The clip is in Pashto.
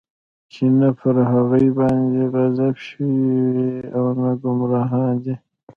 چې نه پر هغوى باندې غضب شوى او نه ګمراهان دی.